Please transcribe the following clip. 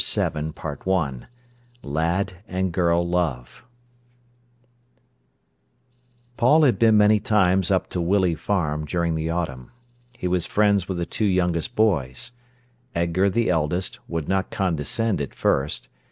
PART TWO CHAPTER VII LAD AND GIRL LOVE Paul had been many times up to Willey Farm during the autumn. He was friends with the two youngest boys. Edgar, the eldest, would not condescend at first.